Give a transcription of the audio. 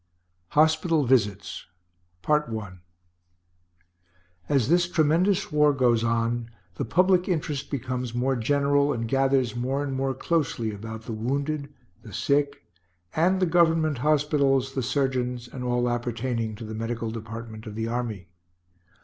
HOSPITAL VISITS As this tremendous war goes on, the public interest becomes more general and gathers more and more closely about the wounded, the sick, and the Government hospitals, the surgeons, and all appertaining to the medical department of the army.